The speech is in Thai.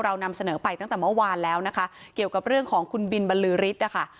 นำเสนอไปตั้งแต่เมื่อวานแล้วนะคะเกี่ยวกับเรื่องของคุณบินบรรลือฤทธินะคะ